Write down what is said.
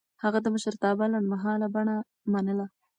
هغه د مشرتابه لنډمهاله بڼه منله.